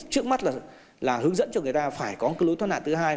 trước mắt là hướng dẫn cho người ta phải có một cái lối thoát nạn thứ hai